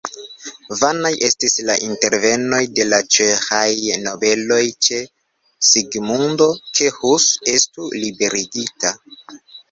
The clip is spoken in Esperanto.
Vanaj estis la intervenoj de la ĉeĥaj nobeloj ĉe Sigmundo, ke Hus estu liberigita.